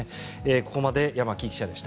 ここまで山木記者でした。